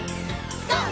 ＧＯ！